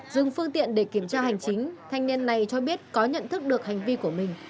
dừng phương tiện để kiểm tra hành chính thanh niên này cho biết có nhận thức được hành vi của mình